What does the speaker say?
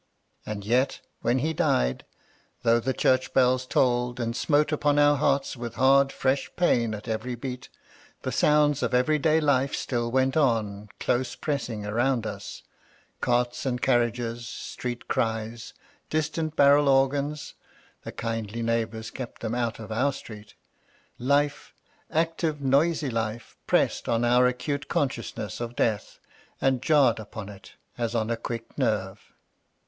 And yet, when he died, though the church bells tolled, and smote upon our hearts with hard, fresh pain at every beat, the sounds of every day life still went on, close pressing around us, — carts and carriages, street cries, distant barrel organs (the kindly neighbours kept them out of our street): life, active, noisy life, pressed on our acute consciousness of Death, and jarred upon it as on a quick nerve.